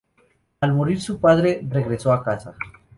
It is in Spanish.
Al morir su padre, regresó a casa.